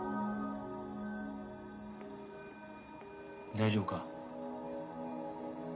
大丈夫か？